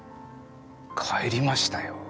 帰りましたよ。